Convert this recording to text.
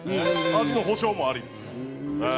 味の保証もあります。